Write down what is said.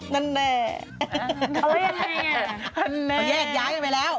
นั่นแน่